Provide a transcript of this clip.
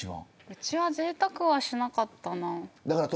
うちはぜいたくはしなかったな。